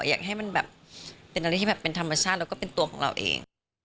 อยากให้มันแบบเป็นอะไรที่แบบเป็นธรรมชาติแล้วก็เป็นตัวของเราเอง